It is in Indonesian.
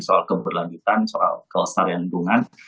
soal keberlanjutan soal kelesaran dan undungan